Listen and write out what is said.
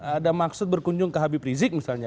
ada maksud berkunjung ke habib rizik misalnya